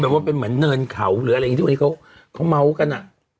เหมือนเนินเขาอะไรเค้าเม้ากัน